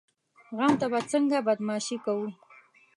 غم ته به څنګه بدماشي کوو؟